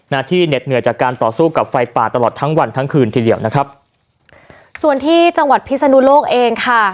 ที่เหน็ดเหนื่อยจากการต่อสู้กับไฟป่าตลอดทั้งวันทั้งคืนทีเดียวนะครับส่วนที่จังหวัดพิศนุโลกเองค่ะ